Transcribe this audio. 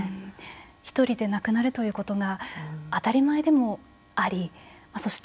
ひとりで亡くなるということが当たり前でもありそして